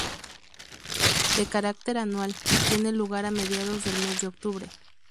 De carácter anual, tiene lugar a mediados del mes de octubre.